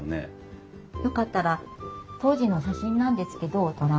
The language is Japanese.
よかったら当時の写真なんですけどご覧ください。